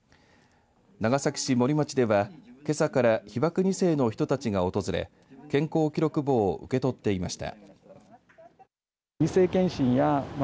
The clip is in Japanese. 長崎市茂里町ではけさから被爆２世の人たちが訪れ健康記録簿を受け取っていました。